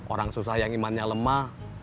orang susah yang imannya lemah